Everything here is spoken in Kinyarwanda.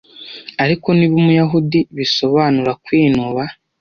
ariko niba umuyahudi bisobanura kwinuba